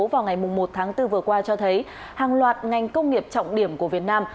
vào ngày một tháng bốn vừa qua cho thấy hàng loạt ngành công nghiệp trọng điểm của việt nam